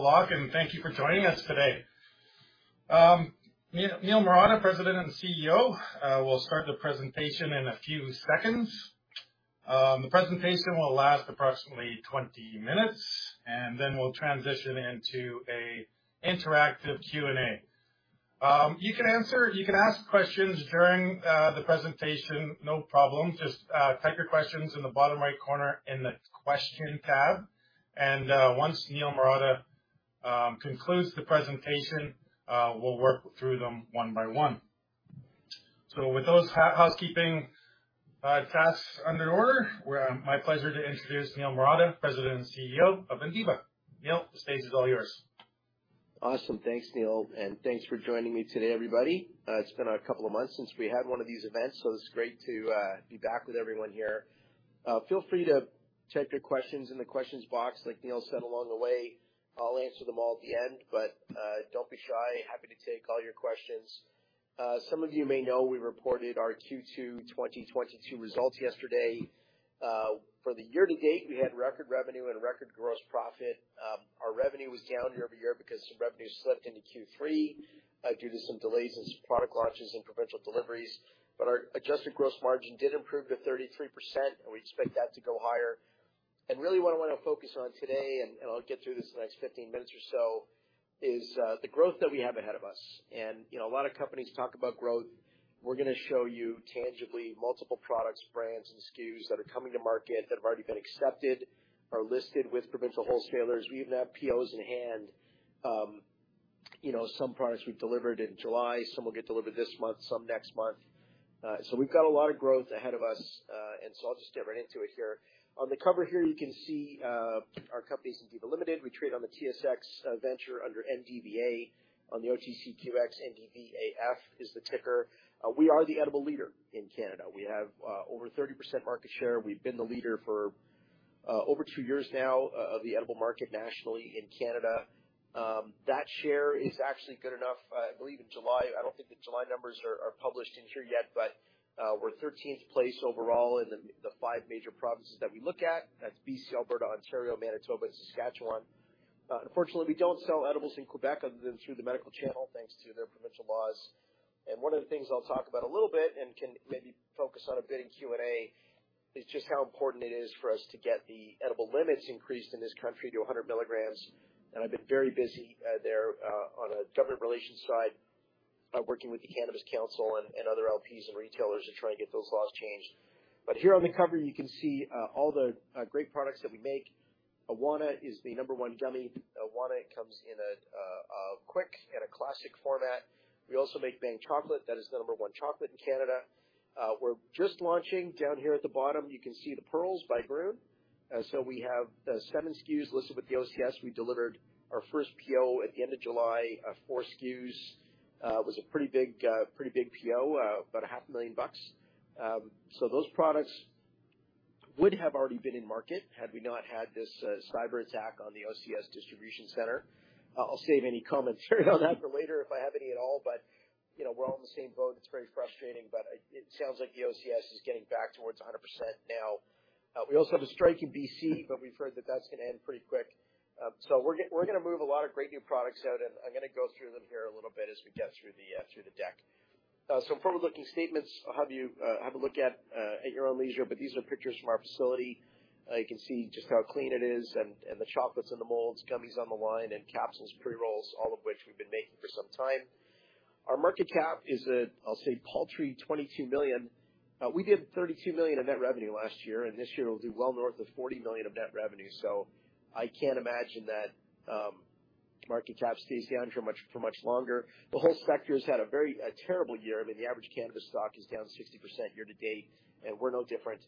Log in. Thank you for joining us today. Niel Marotta, President and CEO, will start the presentation in a few seconds. The presentation will last approximately 20 minutes, and then we'll transition into an interactive Q&A. You can ask questions during the presentation, no problem. Just type your questions in the bottom right corner in the question tab, and, once Niel Marotta concludes the presentation, we'll work through them one by one. With those housekeeping tasks in order, it's my pleasure to introduce Niel Marotta, President and CEO of Indiva. Niel, the stage is all yours. Awesome. Thanks, Neil. Thanks for joining me today, everybody. It's been a couple of months since we had one of these events, so it's great to be back with everyone here. Feel free to type your questions in the questions box, like Neil said, along the way. I'll answer them all at the end, but don't be shy. Happy to take all your questions. Some of you may know we reported our Q2 2022 results yesterday. For the year to date, we had record revenue and record gross profit. Our revenue was down year-over-year because some revenue slipped into Q3, due to some delays in some product launches and provincial deliveries. Our adjusted gross margin did improve to 33%, and we expect that to go higher. Really what I want to focus on today, and I'll get through this in the next 15 minutes or so, is the growth that we have ahead of us. A lot of companies talk about growth. We're going to show you tangibly multiple products, brands, and SKUs that are coming to market, that have already been accepted or listed with provincial wholesalers. We even have POs in hand. Some products we've delivered in July, some will get delivered this month, some next month. We've got a lot of growth ahead of us. I'll just get right into it here. On the cover here, you can see, our company's Indiva Limited. We trade on the TSX Venture under NDVA on the OTCQX, NDVAF is the ticker. We are the edible leader in Canada. We have over 30% market share. We've been the leader for over two years now of the edible market nationally in Canada. That share is actually good enough. I believe in July I don't think the July numbers are published in here yet, but we're 13th place overall in the five major provinces that we look at. That's BC, Alberta, Ontario, Manitoba, and Saskatchewan. Unfortunately, we don't sell edibles in Quebec other than through the medical channel, thanks to their provincial laws. One of the things I'll talk about a little bit, and can maybe focus on a bit in Q&A, is just how important it is for us to get the edible limits increased in this country to 100 mg. I've been very busy there, on a government relations side, working with the Cannabis Council and other LPs and retailers to try and get those laws changed. Here on the cover, you can see all the great products that we make. Wana is the number one gummy. Wana comes in a Quick and a Classic format. We also make Bhang chocolate. That is the number one chocolate in Canada. We're just launching down here at the bottom, you can see the Pearls by Grön. We have seven SKUs listed with the OCS. We delivered our first PO at the end of July, four SKUs. It was a pretty big PO, about a half a million bucks. Those products would have already been in market had we not had this cyber attack on the OCS distribution center. I'll save any comments on that for later, if I have any at all. We're all in the same boat. It's very frustrating, but it sounds like the OCS is getting back towards 100% now. We also have a strike in BC, but we've heard that that's going to end pretty quick. We're going to move a lot of great new products out, and I'm going to go through them here a little bit as we get through the deck. Forward-looking statements, I'll have you have a look at your own leisure, but these are pictures from our facility. You can see just how clean it is and the chocolates and the molds, gummies on the line, and capsules, pre-rolls, all of which we've been making for some time. Our market cap is at, I'll say, paltry 22 million. We did 32 million in net revenue last year, and this year we'll do well north of 40 million of net revenue. I can't imagine that market cap stays down for much longer. The whole sector's had a terrible year. I mean, the average cannabis stock is down 60% year to date, and we're no different.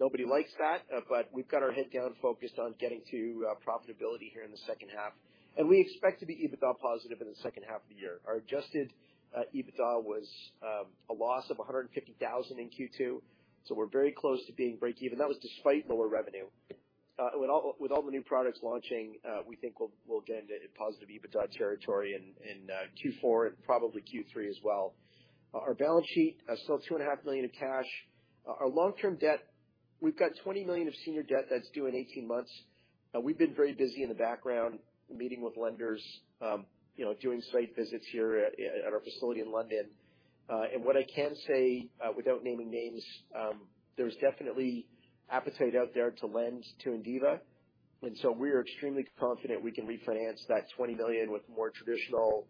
Nobody likes that, but we've got our head down focused on getting to profitability here in the second half, and we expect to be EBITDA positive in the second half of the year. Our adjusted EBITDA was a loss of 150,000 in Q2, so we're very close to being break even. That was despite lower revenue. With all the new products launching, we think we'll get into positive EBITDA territory in Q4 and probably Q3 as well. Our balance sheet, still 2.5 million of cash. Our long-term debt, we've got 20 million of senior debt that's due in 18 months. We've been very busy in the background meeting with lenders, doing site visits here at our facility in London. What I can say, without naming names, there's definitely appetite out there to lend to Indiva, and we are extremely confident we can refinance that 20 million with a more traditional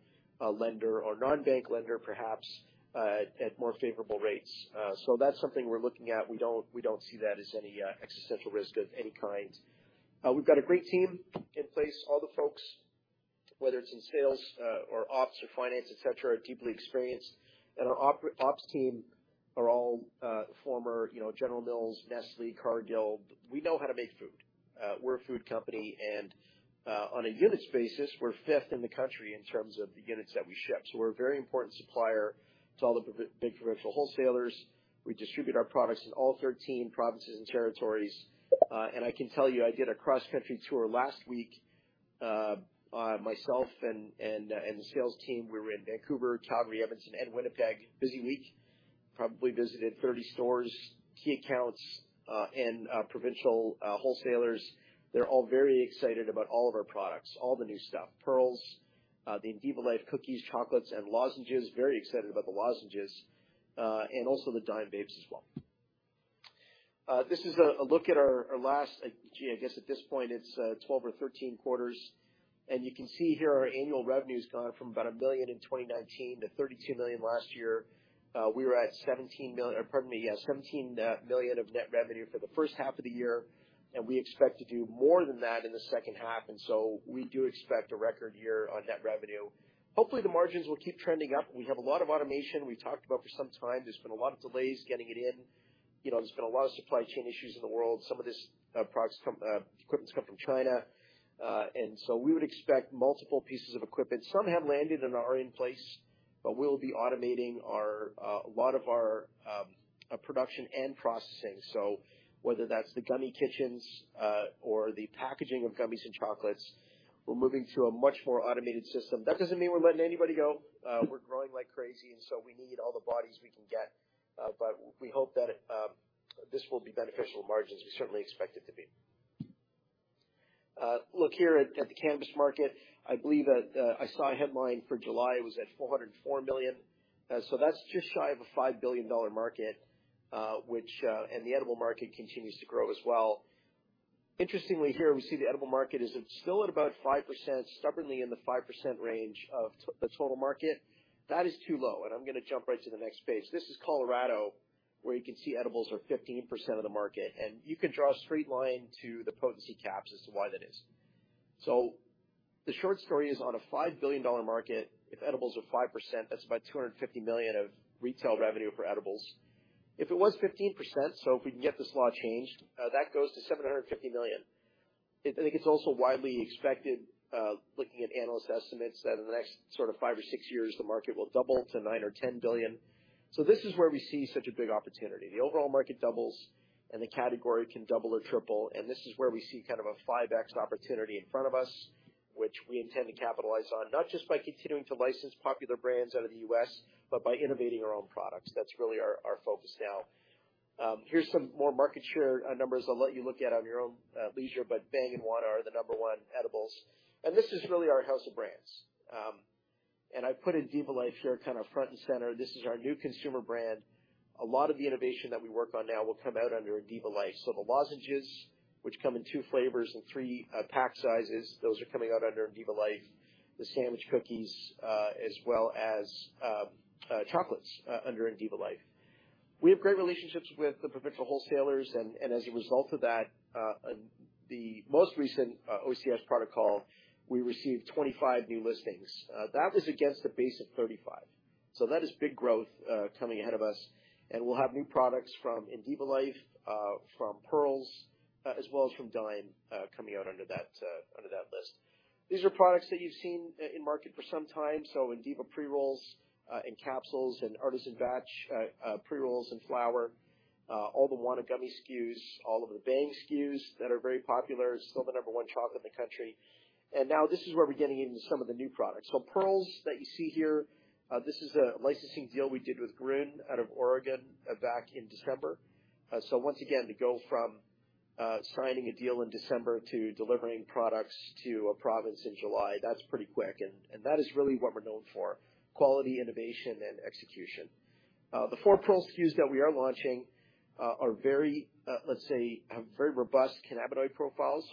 lender or non-bank lender, perhaps, at more favorable rates. That's something we're looking at. We don't see that as any existential risk of any kind. We've got a great team in place. All the folks, whether it's in sales, or ops, or finance, et cetera, are deeply experienced. Our ops team are all former General Mills, Nestlé, Cargill. We know how to make food. We're a food company, and on a units basis, we're fifth in the country in terms of the units that we ship. We're a very important supplier to all the big provincial wholesalers. We distribute our products in all 13 provinces and territories. I can tell you, I did a cross-country tour last week, myself and the sales team. We were in Vancouver, Calgary, Edmonton, and Winnipeg. Busy week. Probably visited 30 stores, key accounts, and provincial wholesalers. They're all very excited about all of our products, all the new stuff. Pearls, the Indiva Life cookies, chocolates, and lozenges. Very excited about the lozenges, and also the Dime vapes as well. This is a look at our last, gee, I guess at this point it's 12 or 13 quarters. You can see here our annual revenue's gone from about 1 million in 2019 to 32 million last year. We were at 17 million of net revenue for the first half of the year, and we expect to do more than that in the second half, and so we do expect a record year on net revenue. Hopefully, the margins will keep trending up. We have a lot of automation we talked about for some time. There's been a lot of delays getting it in. There's been a lot of supply chain issues in the world. Some of this equipment's come from China. We would expect multiple pieces of equipment. Some have landed and are in place, but we'll be automating a lot of our production and processing. Whether that's the gummy kitchens, or the packaging of gummies and chocolates, we're moving to a much more automated system. That doesn't mean we're letting anybody go. We're growing like crazy, and so we need all the bodies we can get. We hope that this will be beneficial to margins. We certainly expect it to be. Look here at the cannabis market. I believe that I saw a headline for July. It was at $404 million. That's just shy of a $5 billion market, and the edible market continues to grow as well. Interestingly here, we see the edible market is still at about 5%, stubbornly in the 5% range of the total market. That is too low, and I'm going to jump right to the next page. This is Colorado, where you can see edibles are 15% of the market, and you can draw a straight line to the potency caps as to why that is. The short story is, on a $5 billion market, if edibles are 5%, that's about $250 million of retail revenue for edibles. If it was 15%, so if we can get this law changed, that goes to $750 million. I think it's also widely expected, looking at analyst estimates, that in the next five or six years, the market will double to 9 billion or 10 billion. This is where we see such a big opportunity. The overall market doubles and the category can double or triple, and this is where we see a 5x opportunity in front of us, which we intend to capitalize on, not just by continuing to license popular brands out of the U.S., but by innovating our own products. That's really our focus now. Here's some more market share numbers I'll let you look at at your own leisure, but Bhang and Wana are the number one edibles. This is really our house of brands. I put Indiva Life here, front and center. This is our new consumer brand. A lot of the innovation that we work on now will come out under Indiva Life. The lozenges, which come in two flavors and three pack sizes, those are coming out under Indiva Life, the sandwich cookies, as well as chocolates under Indiva Life. We have great relationships with the provincial wholesalers and as a result of that, the most recent OCS protocol, we received 25 new listings. That was against a base of 35. That is big growth coming ahead of us and we'll have new products from Indiva Life, from Pearls, as well as from Dime, coming out under that list. These are products that you've seen in market for some time. Indiva pre-rolls, and capsules, and Artisan Batch pre-rolls and flower, all the Wana gummy SKUs, all of the Bhang SKUs that are very popular, still the number one choc in the country. Now this is where we're getting into some of the new products. Pearls that you see here, this is a licensing deal we did with Grön out of Oregon back in December. Once again, to go from signing a deal in December to delivering products to a province in July, that's pretty quick, and that is really what we're known for, quality, innovation, and execution. The four Pearls SKUs that we are launching are very, let's say, have very robust cannabinoid profiles.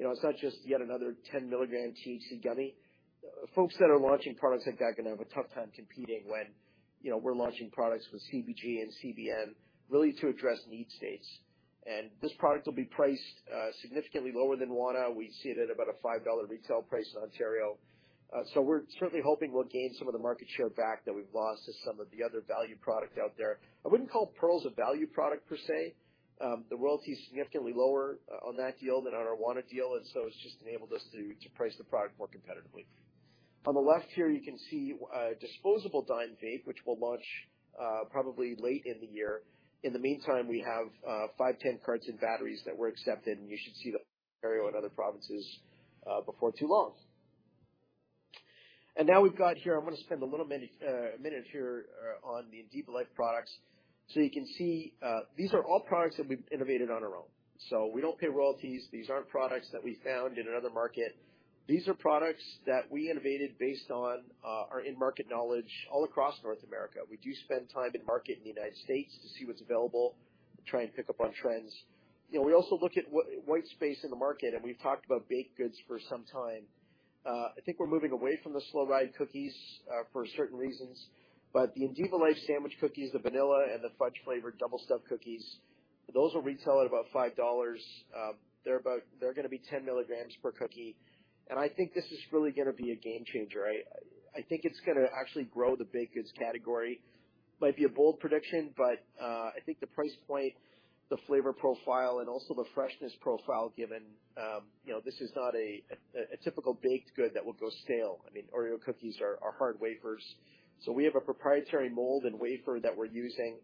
It's not just yet another 10 mg THC gummy. Folks that are launching products like that are going to have a tough time competing when we're launching products with CBG and CBN really to address need states. This product will be priced significantly lower than Wana. We see it at about a 5 dollar retail price in Ontario. We're certainly hoping we'll gain some of the market share back that we've lost to some of the other value product out there. I wouldn't call Pearls a value product per se. The royalty's significantly lower on that deal than on our Wana deal, and so it's just enabled us to price the product more competitively. On the left here, you can see a disposable Dime vape, which we'll launch probably late in the year. In the meantime, we have 510 carts and batteries that we're accepting, and you should see them in Ontario and other provinces before too long. Now we've got here, I'm going to spend a little minute here on the Indiva Life products. You can see, these are all products that we've innovated on our own. We don't pay royalties. These aren't products that we found in another market. These are products that we innovated based on our in-market knowledge all across North America. We do spend time in market in the United States to see what's available, try and pick up on trends. We also look at white space in the market, and we've talked about baked goods for some time. I think we're moving away from the Slowride Bakery Cookies, for certain reasons. The Indiva Life sandwich cookies, the vanilla and the fudge-flavored double stuffed cookies, those will retail at about 5 dollars. They're going to be 10 mg per cookie. I think this is really going to be a game changer. I think it's going to actually grow the baked goods category. Might be a bold prediction, but I think the price point, the flavor profile, and also the freshness profile given. This is not a typical baked good that will go stale. Oreo cookies are hard wafers. We have a proprietary mold and wafer that we're using.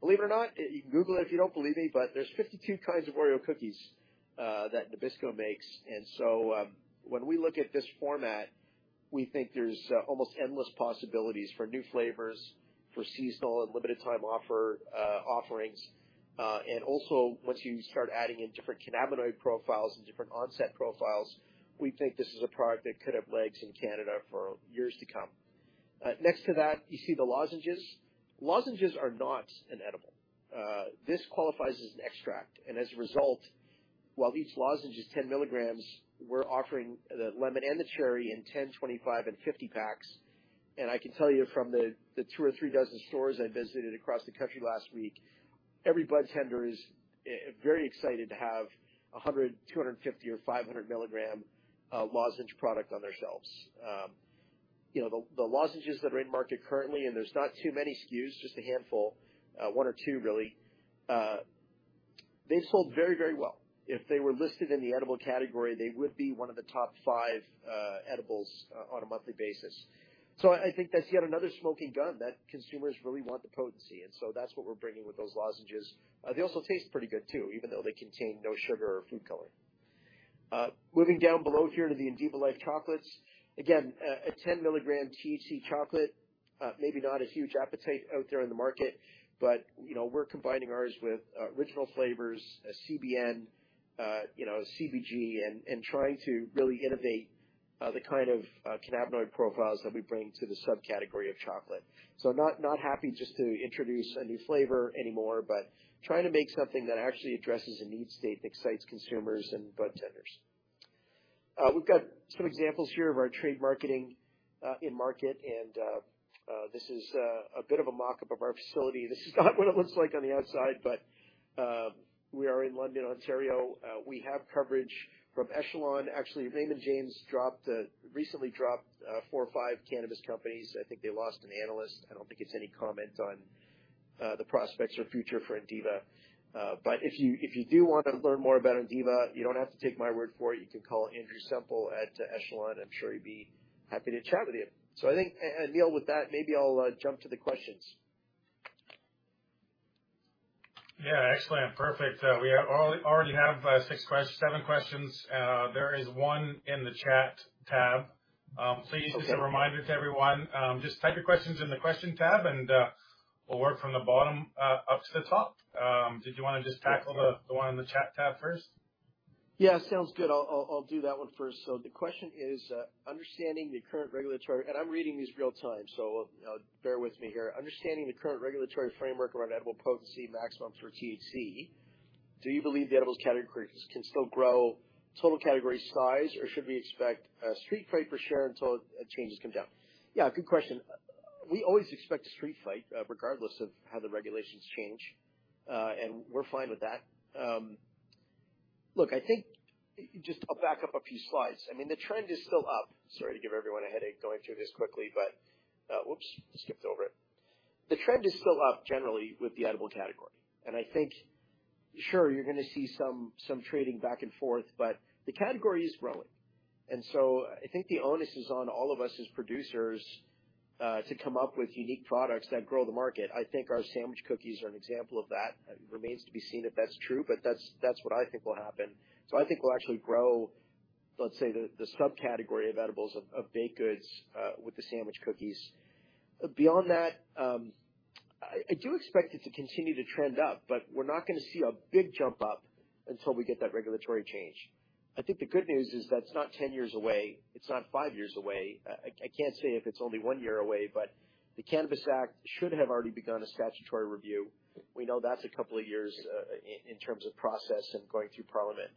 Believe it or not, you can Google it if you don't believe me, but there's 52 kinds of Oreo cookies that Nabisco makes. When we look at this format, we think there's almost endless possibilities for new flavors, for seasonal and limited time offerings. Once you start adding in different cannabinoid profiles and different onset profiles, we think this is a product that could have legs in Canada for years to come. Next to that, you see the lozenges. Lozenges are not an edible. This qualifies as an extract. As a result, while each lozenge is 10 mg, we're offering the lemon and the cherry in 10, 25, and 50 packs. I can tell you from the two or three dozen stores I visited across the country last week, every budtender is very excited to have 100, 250, or 500 mg lozenge product on their shelves. The lozenges that are in market currently, and there's not too many SKUs, just a handful, one or two, really, they sold very well. If they were listed in the edible category, they would be one of the top five edibles on a monthly basis. I think that's yet another smoking gun, that consumers really want the potency. That's what we're bringing with those lozenges. They also taste pretty good too, even though they contain no sugar or food coloring. Moving down below here to the Indiva Life chocolates. Again, a 10-mg THC chocolate. Maybe not a huge appetite out there in the market, but we're combining ours with original flavors, CBN, CBG, and trying to really innovate the kind of cannabinoid profiles that we bring to the subcategory of chocolate. Not happy just to introduce a new flavor anymore, but trying to make something that actually addresses a need state that excites consumers and budtenders. We've got some examples here of our trade marketing in market. This is a bit of a mock-up of our facility. This is not what it looks like on the outside, but we are in London, Ontario. We have coverage from Echelon. Actually, Raymond James recently dropped four or five cannabis companies. I think they lost an analyst. I don't think it's any comment on the prospects or future for Indiva. If you do want to learn more about Indiva, you don't have to take my word for it. You can call Andrew Semple at Echelon. I'm sure he'd be happy to chat with you. I think, and Neil, with that, maybe I'll jump to the questions. Yeah. Excellent. Perfect. We already have seven questions. There is one in the chat tab. Okay. Just a reminder to everyone, just type your questions in the question tab and we'll work from the bottom up to the top. Did you want to just tackle the one in the chat tab first? Yeah, sounds good. I'll do that one first. So the question is, "Understanding the current regulatory..." and I'm reading these real time, so bear with me here. "Understanding the current regulatory framework around edible potency maximums for THC, do you believe the edibles category can still grow total category size, or should we expect a street fight for share until changes come down?" Yeah. Good question. We always expect a street fight, regardless of how the regulations change. We're fine with that. Look, I think. Just I'll back up a few slides. The trend is still up. Sorry to give everyone a headache going through this quickly, but. Whoops, skipped over it. The trend is still up generally with the edible category. I think, sure, you're going to see some trading back and forth, but the category is growing. I think the onus is on all of us as producers, to come up with unique products that grow the market. I think our sandwich cookies are an example of that. It remains to be seen if that's true, but that's what I think will happen. I think we'll actually grow, let's say, the subcategory of edibles, of baked goods, with the sandwich cookies. Beyond that, I do expect it to continue to trend up, but we're not going to see a big jump up until we get that regulatory change. I think the good news is that it's not 10 years away. It's not five years away. I can't say if it's only one year away, but the Cannabis Act should have already begun a statutory review. We know that's a couple of years, in terms of process and going through Parliament.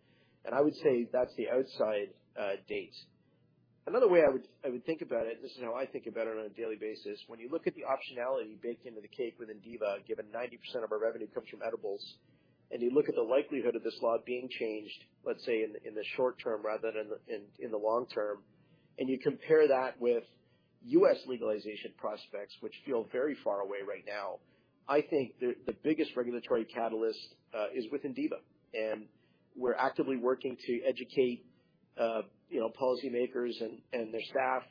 I would say that's the outside date. Another way I would think about it, this is how I think about it on a daily basis. When you look at the optionality baked into the cake with Indiva, given 90% of our revenue comes from edibles, and you look at the likelihood of this law being changed, let's say, in the short term rather than in the long term, and you compare that with U.S. legalization prospects, which feel very far away right now. I think the biggest regulatory catalyst is with Indiva, and we're actively working to educate policymakers and their staff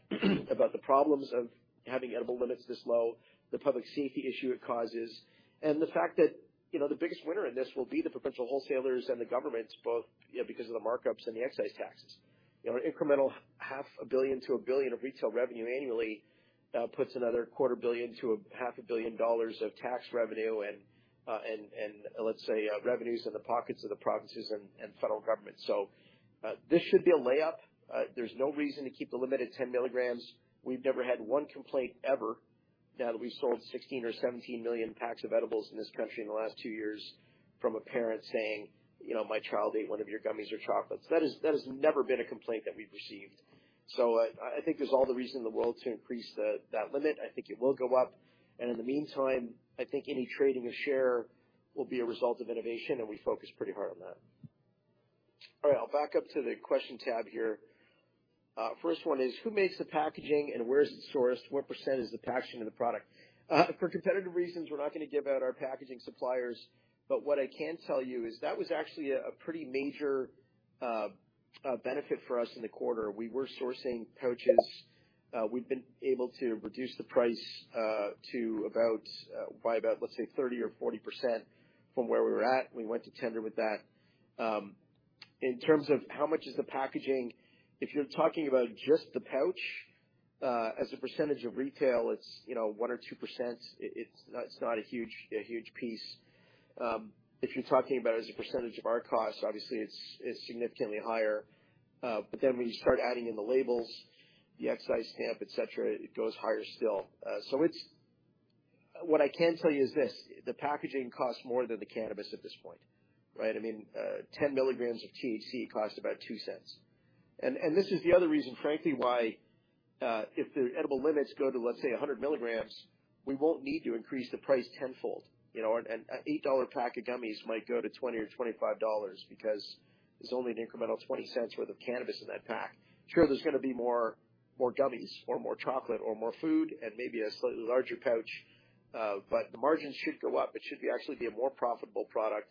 about the problems of having edible limits this low, the public safety issue it causes, and the fact that the biggest winner in this will be the potential wholesalers and the governments, both because of the markups and the excise taxes. An incremental CAD half a billion to 1 billion of retail revenue annually puts another CAD quarter billion to CAD half a billion of tax revenue and let's say revenues in the pockets of the provinces and federal government. This should be a layup. There's no reason to keep the limit at 10 mg. We've never had one complaint, ever, that we sold 16 or 17 million packs of edibles in this country in the last two years from a parent saying, "My child ate one of your gummies or chocolates." That has never been a complaint that we've received. I think there's all the reason in the world to increase that limit. I think it will go up. In the meantime, I think any trading of share will be a result of innovation, and we focus pretty hard on that. All right. I'll back up to the question tab here. First one is, "Who makes the packaging and where is it sourced? What percent is the packaging of the product?" For competitive reasons, we're not going to give out our packaging suppliers. What I can tell you is that was actually a pretty major benefit for us in the quarter. We were sourcing pouches. We've been able to reduce the price by about, let's say, 30% or 40% from where we were at. We went to tender with that. In terms of how much is the packaging, if you're talking about just the pouch, as a percentage of retail, it's 1% or 2%. It's not a huge piece. If you're talking about as a percentage of our cost, obviously it's significantly higher. When you start adding in the labels, the excise stamp, et cetera, it goes higher still. What I can tell you is this, the packaging costs more than the cannabis at this point, right? I mean, 10 mg of THC costs about 0.02. This is the other reason, frankly, why if the edible limits go to, let's say, 100 mg, we won't need to increase the price tenfold. A CAD 8 pack of gummies might go to 20 or 25 dollars because there's only an incremental 0.20 worth of cannabis in that pack. Sure, there's going to be more gummies or more chocolate or more food and maybe a slightly larger pouch. The margins should go up. It should actually be a more profitable product.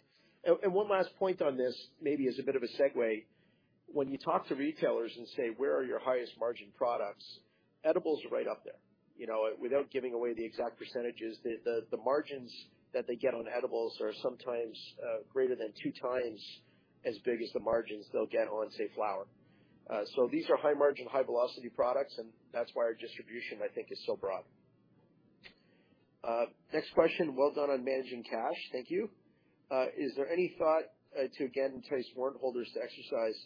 One last point on this, maybe as a bit of a segue, when you talk to retailers and say, where are your highest margin products? Edibles are right up there. Without giving away the exact percentages, the margins that they get on edibles are sometimes greater than 2x as big as the margins they'll get on, say, flower. These are high-margin, high-velocity products, and that's why our distribution, I think, is so broad. Next question. Well done on managing cash. Thank you. Is there any thought to again entice warrant holders to exercise?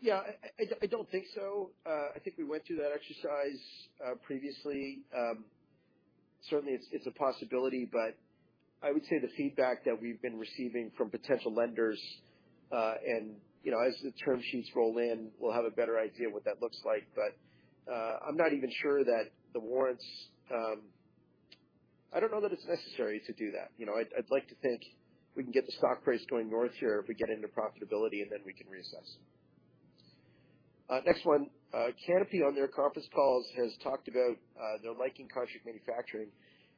Yeah, I don't think so. I think we went through that exercise previously. Certainly, it's a possibility, but I would say the feedback that we've been receiving from potential lenders, and as the term sheets roll in, we'll have a better idea what that looks like. But I'm not even sure that the warrants. I don't know that it's necessary to do that. I'd like to think we can get the stock price going north here if we get into profitability, and then we can reassess. Next one. Canopy, on their conference calls, has talked about their liking contract manufacturing.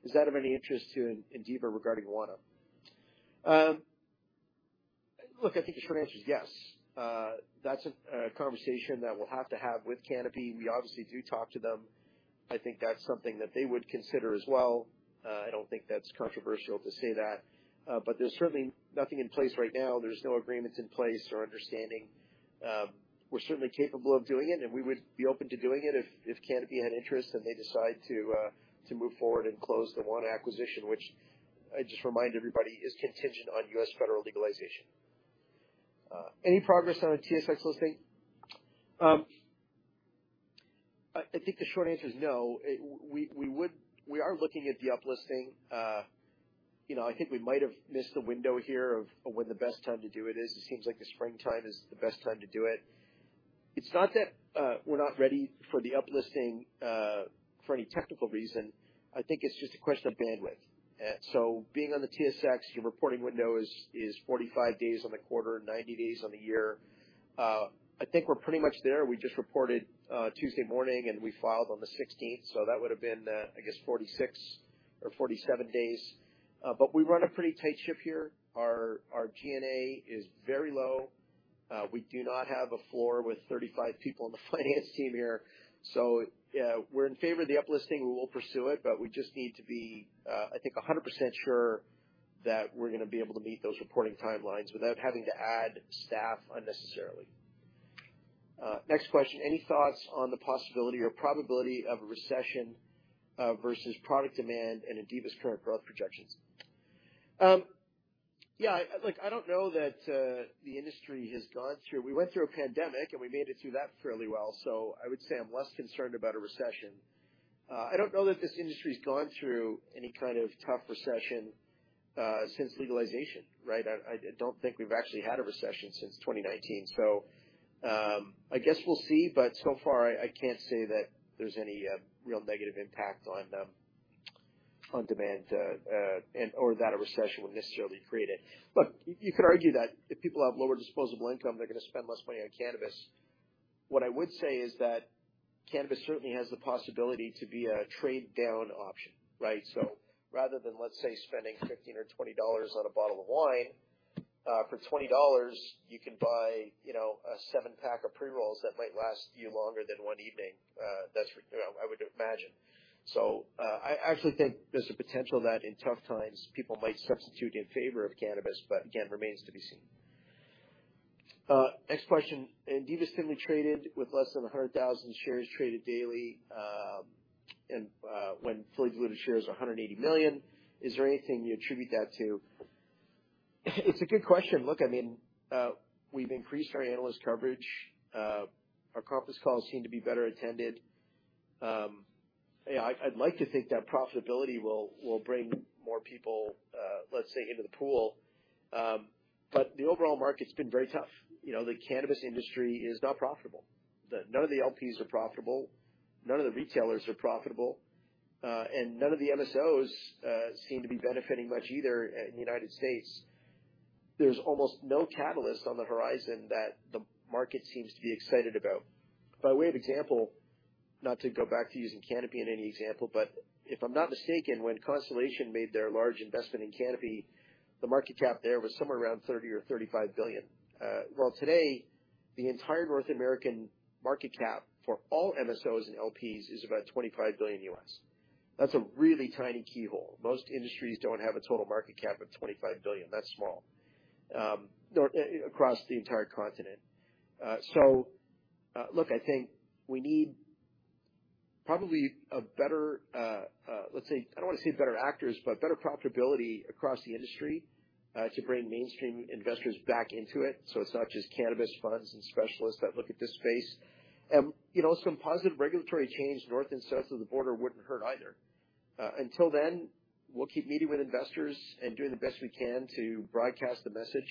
Is that of any interest to Indiva regarding Wana? Look, I think the short answer is yes. That's a conversation that we'll have to have with Canopy. We obviously do talk to them. I think that's something that they would consider as well. I don't think that's controversial to say that. There's certainly nothing in place right now. There's no agreements in place or understanding. We're certainly capable of doing it, and we would be open to doing it if Canopy had interest and they decide to move forward and close the Wana acquisition, which I just remind everybody, is contingent on U.S. federal legalization. Any progress on a TSX listing? I think the short answer is no. We are looking at the up-listing. I think we might have missed the window here of when the best time to do it is. It seems like the springtime is the best time to do it. It's not that we're not ready for the up-listing for any technical reason. I think it's just a question of bandwidth. Being on the TSX, your reporting window is 45 days on the quarter, 90 days on the year. I think we're pretty much there. We just reported Tuesday morning, and we filed on the 16th, so that would have been, I guess, 46 or 47 days. We run a pretty tight ship here. Our G&A is very low. We do not have a floor with 35 people on the finance team here. We're in favor of the up-listing. We will pursue it, but we just need to be, I think, 100% sure that we're going to be able to meet those reporting timelines without having to add staff unnecessarily. Next question. Any thoughts on the possibility or probability of a recession versus product demand and Indiva's current growth projections? Yeah. I don't know that the industry has gone through. We went through a pandemic, and we made it through that fairly well. I would say I'm less concerned about a recession. I don't know that this industry's gone through any kind of tough recession since legalization, right? I don't think we've actually had a recession since 2019. I guess we'll see, but so far, I can't say that there's any real negative impact on demand, or that a recession would necessarily create it. Look, you could argue that if people have lower disposable income, they're going to spend less money on cannabis. What I would say is that cannabis certainly has the possibility to be a trade-down option, right? Rather than, let's say, spending 15 or 20 dollars on a bottle of wine. For 20 dollars, you can buy a seven-pack of pre-rolls that might last you longer than one evening. I would imagine. I actually think there's a potential that in tough times, people might substitute in favor of cannabis, but again, remains to be seen. Next question. Indiva's thinly traded with less than 100,000 shares traded daily, and when fully diluted shares are 180 million. Is there anything you attribute that to? It's a good question. Look, I mean, we've increased our analyst coverage. Our conference calls seem to be better attended. I'd like to think that profitability will bring more people, let's say, into the pool. The overall market's been very tough. The cannabis industry is not profitable. None of the LPs are profitable, none of the retailers are profitable, and none of the MSOs seem to be benefiting much either in the United States. There's almost no catalyst on the horizon that the market seems to be excited about. By way of example. Not to go back to using Canopy in any example, but if I'm not mistaken, when Constellation made their large investment in Canopy, the market cap there was somewhere around $30 biilion-$35 billion. Well, today, the entire North American market cap for all MSOs and LPs is about $25 billion. That's a really tiny keyhole. Most industries don't have a total market cap of $25 billion. That's small, across the entire continent. Look, I think we need probably a better, let's say, I don't want to say better actors, but better profitability across the industry, to bring mainstream investors back into it, so it's not just cannabis funds and specialists that look at this space. Some positive regulatory change north and south of the border wouldn't hurt either. Until then, we'll keep meeting with investors and doing the best we can to broadcast the message,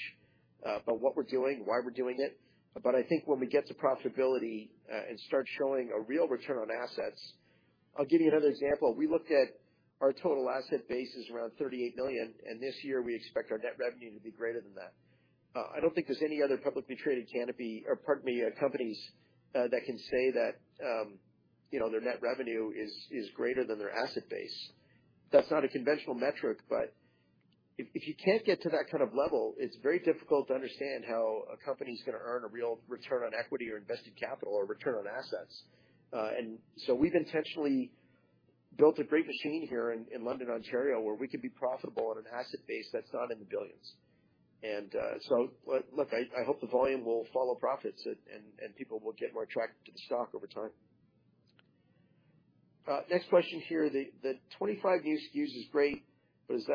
about what we're doing, why we're doing it. I think when we get to profitability, and start showing a real return on assets. I'll give you another example. We looked at our total asset base is around 38 million, and this year we expect our net revenue to be greater than that. I don't think there's any other publicly traded Canopy. Pardon me, companies, that can say that their net revenue is greater than their asset base. That's not a conventional metric, but if you can't get to that kind of level, it's very difficult to understand how a company's going to earn a real return on equity or invested capital or return on assets. We've intentionally built a great machine here in London, Ontario, where we can be profitable on an asset base that's not in the billions. Look, I hope the volume will follow profits, and people will get more attracted to the stock over time. Next question here, the 25 new SKUs is great, but is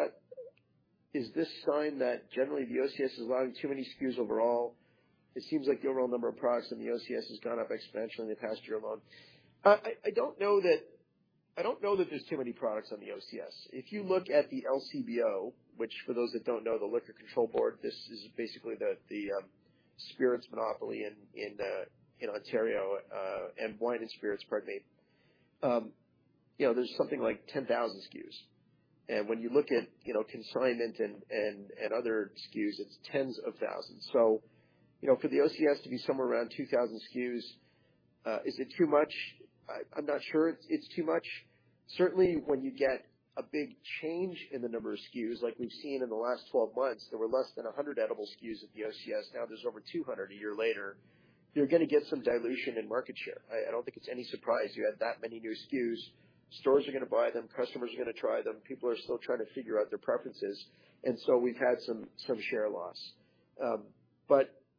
this sign that generally the OCS is allowing too many SKUs overall? It seems like the overall number of products on the OCS has gone up exponentially in the past year alone. I don't know that there's too many products on the OCS. If you look at the LCBO, which for those that don't know, the Liquor Control Board, this is basically the spirits monopoly in Ontario, and wine and spirits, pardon me. There's something like 10,000 SKUs. When you look at consignment and other SKUs, it's tens of thousands. For the OCS to be somewhere around 2,000 SKUs, is it too much? I'm not sure it's too much. Certainly, when you get a big change in the number of SKUs, like we've seen in the last 12 months, there were less than 100 edible SKUs at the OCS. Now there's over 200 a year later. You're going to get some dilution in market share. I don't think it's any surprise you add that many new SKUs. Stores are going to buy them, customers are going to try them. People are still trying to figure out their preferences, and so we've had some share loss.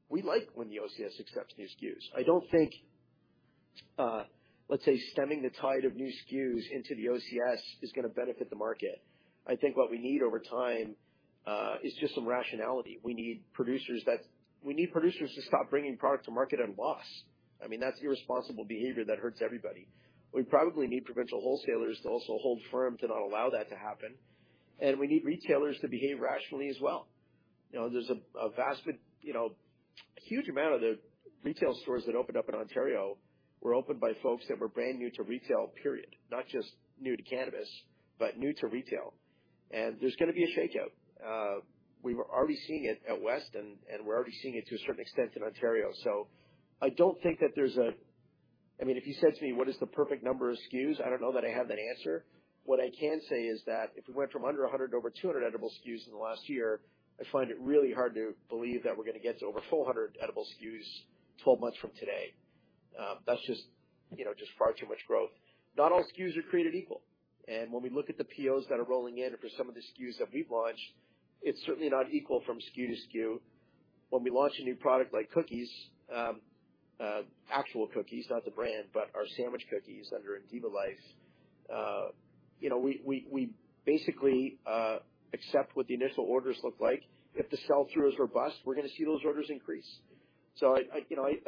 We like when the OCS accepts new SKUs. I don't think, let's say, stemming the tide of new SKUs into the OCS is going to benefit the market. I think what we need over time is just some rationality. We need producers to stop bringing product to market in loss. That's irresponsible behavior that hurts everybody. We probably need provincial wholesalers to also hold firm to not allow that to happen. We need retailers to behave rationally as well. A huge amount of the retail stores that opened up in Ontario were opened by folks that were brand new to retail, period. Not just new to cannabis, but new to retail. There's going to be a shakeout. We were already seeing it out West, and we're already seeing it to a certain extent in Ontario. I mean, if you said to me, what is the perfect number of SKUs? I don't know that I have that answer. What I can say is that if we went from under 100 to over 200 edible SKUs in the last year, I find it really hard to believe that we're going to get to over 400 edible SKUs 12 months from today. That's just far too much growth. Not all SKUs are created equal. When we look at the POs that are rolling in for some of the SKUs that we've launched, it's certainly not equal from SKU to SKU. When we launch a new product like cookies, actual cookies, not the brand, but our sandwich cookies under Indiva Life, we basically accept what the initial orders look like. If the sell-through is robust, we're going to see those orders increase. I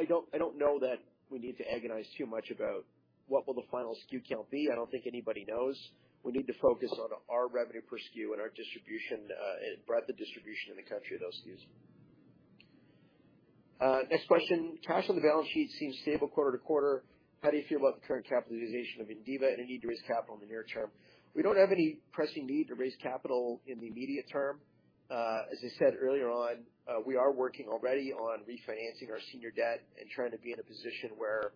don't know that we need to agonize too much about what will the final SKU count be. I don't think anybody knows. We need to focus on our revenue per SKU and our distribution, and breadth of distribution in the country of those SKUs. Next question. Cash on the balance sheet seems stable quarter to quarter. How do you feel about the current capitalization of Indiva and a need to raise capital in the near term? We don't have any pressing need to raise capital in the immediate term. As I said earlier on, we are working already on refinancing our senior debt and trying to be in a position where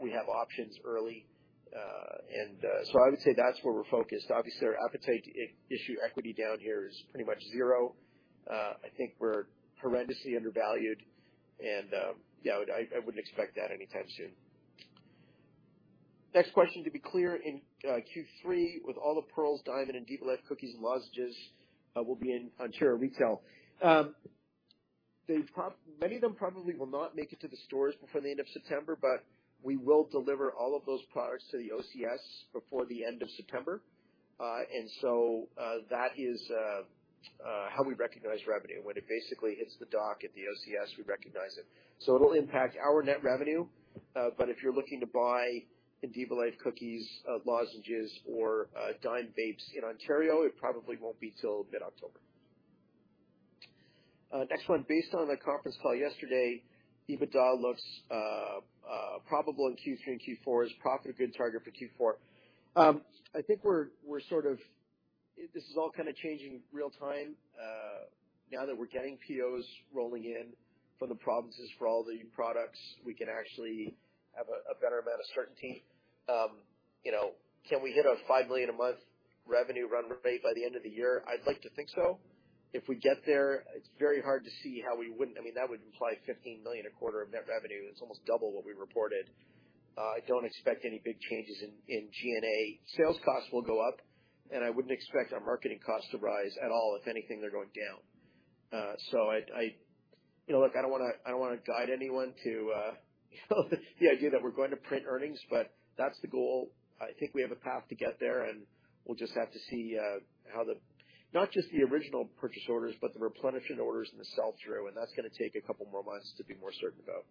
we have options early. I would say that's where we're focused. Obviously, our appetite to issue equity down here is pretty much zero. I think we're horrendously undervalued and, yeah, I wouldn't expect that anytime soon. Next question, to be clear, in Q3 with all the Pearls, Dime and Indiva Life cookies and lozenges will be in Ontario retail. Many of them probably will not make it to the stores before the end of September, but we will deliver all of those products to the OCS before the end of September. That is how we recognize revenue. When it basically hits the dock at the OCS, we recognize it. It'll impact our net revenue, but if you're looking to buy Indiva Life cookies, lozenges, or Dime vapes in Ontario, it probably won't be till mid-October. Next one. Based on the conference call yesterday, EBITDA looks probable in Q3 and Q4. Is profit a good target for Q4? This is all kind of changing real time. Now that we're getting POs rolling in from the provinces for all the new products, we can actually have a better amount of certainty. Can we hit a 5 million a month revenue run rate by the end of the year? I'd like to think so. If we get there, it's very hard to see how we wouldn't. That would imply 15 million a quarter of net revenue. It's almost double what we reported. I don't expect any big changes in G&A. Sales costs will go up, and I wouldn't expect our marketing costs to rise at all. If anything, they're going down. Look, I don't want to guide anyone to the idea that we're going to print earnings, but that's the goal. I think we have a path to get there, and we'll just have to see how, not just the original purchase orders, but the replenishment orders and the sell-through, and that's going to take a couple more months to be more certain about.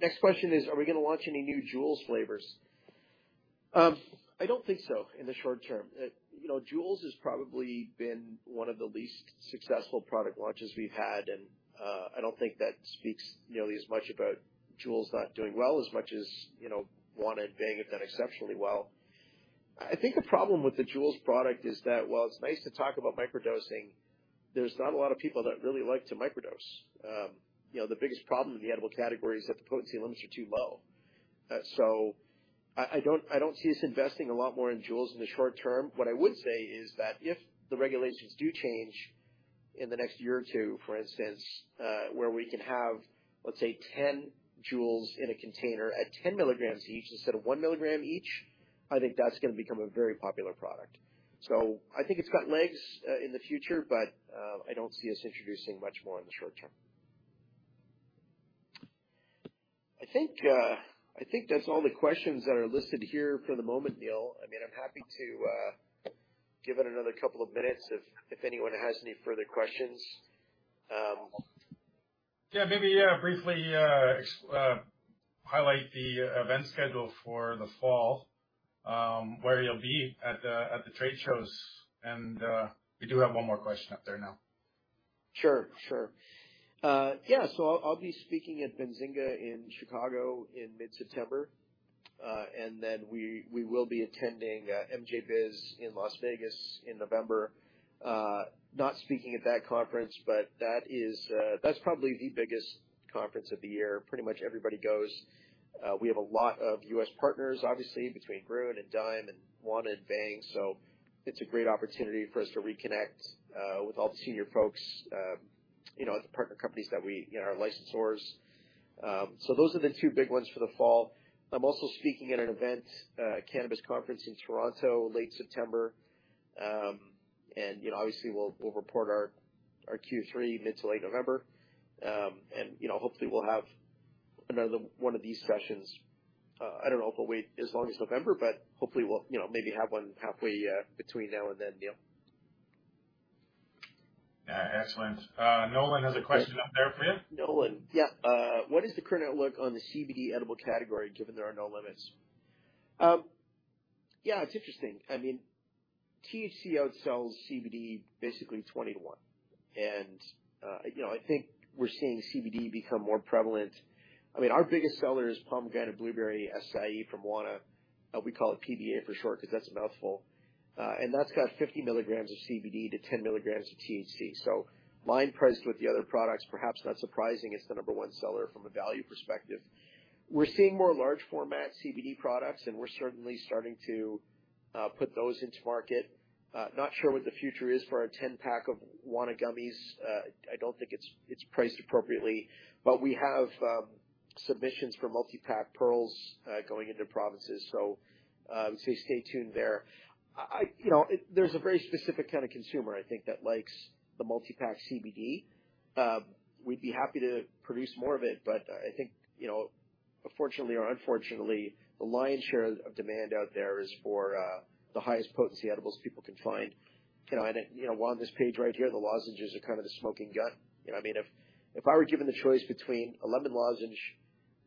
Next question is, are we going to launch any new Jewels flavors? I don't think so in the short term. Jewels has probably been one of the least successful product launches we've had, and I don't think that speaks nearly as much about Jewels not doing well as much as Wana and Bhang have done exceptionally well. I think a problem with the Jewels product is that while it's nice to talk about microdosing, there's not a lot of people that really like to microdose. The biggest problem in the edible category is that the potency limits are too low. I don't see us investing a lot more in Jewels in the short term. What I would say is that if the regulations do change in the next year or two, for instance, where we can have, let's say, 10 Jewels in a container at 10 mg each instead of 1 mg each, I think that's going to become a very popular product. I think it's got legs in the future. I don't see us introducing much more in the short term. I think that's all the questions that are listed here for the moment, Neil. I'm happy to give it another couple of minutes if anyone has any further questions. Yeah. Maybe briefly highlight the event schedule for the fall, where you'll be at the trade shows, and we do have one more question up there now. Sure. Yeah. I'll be speaking at Benzinga in Chicago in mid-September. We will be attending MJBiz in Las Vegas in November. Not speaking at that conference, but that's probably the biggest conference of the year. Pretty much everybody goes. We have a lot of U.S. partners, obviously, between Grön and Dime and Wana and Bhang. It's a great opportunity for us to reconnect with all the senior folks at the partner companies, our licensors. Those are the two big ones for the fall. I'm also speaking at an event, Cannabis Conference in Toronto, late September. Obviously, we'll report our Q3 mid to late November. Hopefully we'll have another one of these sessions. I don't know if I'll wait as long as November, but hopefully we'll maybe have one halfway between now and then, Neil. Excellent. Nolan has a question up there for you. Nolan, yeah. What is the current outlook on the CBD edible category, given there are no limits? Yeah, it's interesting. THC outsells CBD basically 20 to 1. I think we're seeing CBD become more prevalent. Our biggest seller is Pomegranate Blueberry Acai from Wana. We call it PBA for short, because that's a mouthful. That's got 50 mg of CBD to 10 mg of THC. Line priced with the other products, perhaps not surprising, it's the number one seller from a value perspective. We're seeing more large format CBD products, and we're certainly starting to put those into the market. Not sure what the future is for our 10-pack of Wana gummies. I don't think it's priced appropriately, but we have submissions for multi-pack Pearls, going into provinces. I would say stay tuned there. There's a very specific kind of consumer, I think, that likes the multi-pack CBD. We'd be happy to produce more of it, but I think, fortunately or unfortunately, the lion's share of demand out there is for the highest potency edibles people can find. On this page right here, the lozenges are kind of the smoking gun. If I were given the choice between a lemon lozenge,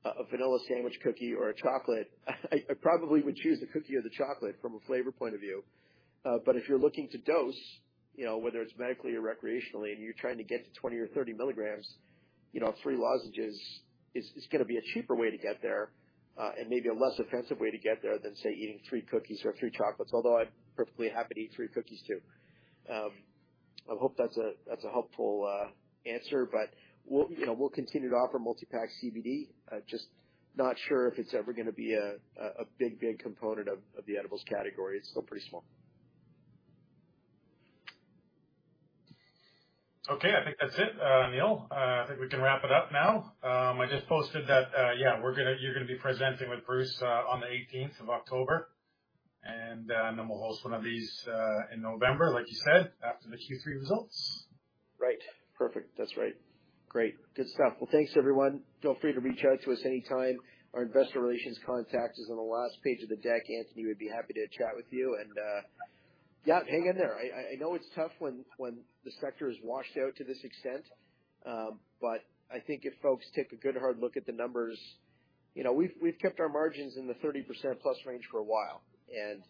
a vanilla sandwich cookie, or a chocolate, I probably would choose the cookie or the chocolate from a flavor point of view. If you're looking to dose, whether it's medically or recreationally, and you're trying to get to 20 mg or 30 mg, three lozenges is going to be a cheaper way to get there, and maybe a less offensive way to get there than, say, eating three cookies or three chocolates. Although I'd be perfectly happy to eat three cookies too. I hope that's a helpful answer. We'll continue to offer multi-pack CBD. Just not sure if it's ever going to be a big component of the edibles category. It's still pretty small. Okay. I think that's it, Niel. I think we can wrap it up now. I just posted that you're going to be presenting with Bruce on the 18th of October, and then we'll host one of these in November, like you said, after the Q3 results. Right. Perfect. That's right. Great. Good stuff. Well, thanks everyone. Feel free to reach out to us anytime. Our Investor Relations contact is on the last page of the deck. Anthony would be happy to chat with you. Yeah, hang in there. I know it's tough when the sector is washed out to this extent. I think if folks take a good hard look at the numbers, we've kept our margins in the 30%+ range for a while, and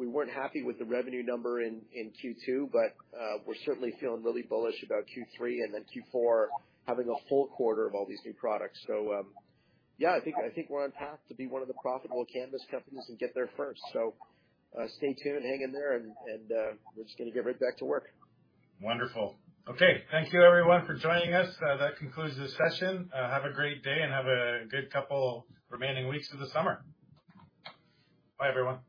we weren't happy with the revenue number in Q2, but we're certainly feeling really bullish about Q3 and then Q4 having a full quarter of all these new products. Yeah, I think we're on track to be one of the profitable cannabis companies and get there first. Stay tuned, hang in there, and we're just going to get right back to work. Wonderful. Okay. Thank you everyone for joining us. That concludes the session. Have a great day and have a good couple remaining weeks of the summer. Bye everyone.